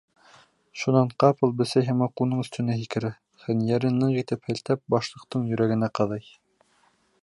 Шунан ҡапыл, бесәй һымаҡ, уның өҫтөнә һикерә, хәнйәрен ныҡ итеп һелтәп, башлыҡтың йөрәгенә ҡаҙай.